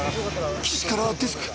岸からデスク！